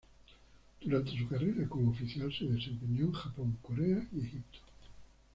Durante su carrera como oficial se desempeñó en Japón, Corea y Egipto.